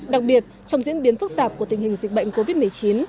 đặc biệt trong diễn biến phức tạp của tình hình dịch bệnh covid một mươi chín